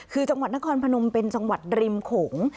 คือจังหวัดนครพนมเป็นจังหวัดริมโขง